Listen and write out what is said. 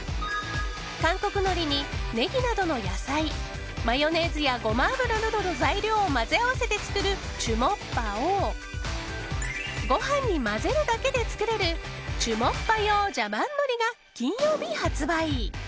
韓国のりにネギなどの野菜マヨネーズやゴマ油などの材料を混ぜ合わせて作るチュモッパをご飯に混ぜるだけで作れるチュモッパ用ジャバンのりが金曜日発売。